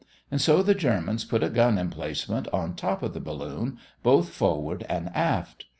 And so the Germans put a gun emplacement on top of the balloon both forward and aft.